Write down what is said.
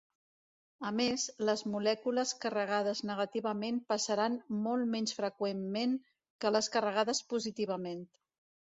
A més, les molècules carregades negativament passaran molt menys freqüentment que les carregades positivament.